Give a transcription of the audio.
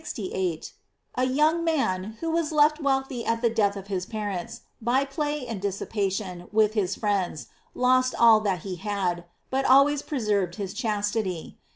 — A young man who was left wealthy at the death of his parents, by play and dissipation with his friends, lost all that he had, but always pre served his chastity.